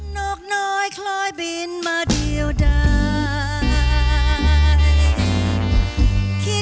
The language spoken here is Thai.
นกน้อยคลอยบินมาเดียวได้